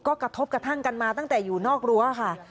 ก็กระทบกระทั่งกันมาตั้งแต่อยู่นอกรั้วค่ะ